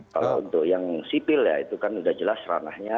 kalau untuk yang sipil ya itu kan sudah jelas ranahnya